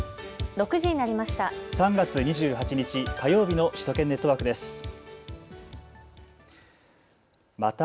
６時になりました。